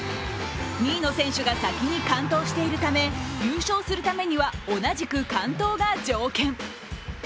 ２位の選手が先に完登しているため優勝するためには同じく完登が条件。